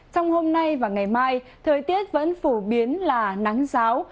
trong hôm nay và ngày mai thời tiết vẫn phổ biến là nắng giáo